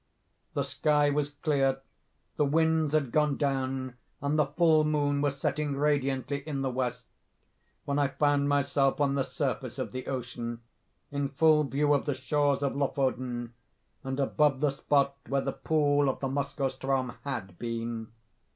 The sky was clear, the winds had gone down, and the full moon was setting radiantly in the west, when I found myself on the surface of the ocean, in full view of the shores of Lofoden, and above the spot where the pool of the Moskoe ström had been.